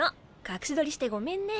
隠し撮りしてごめんね。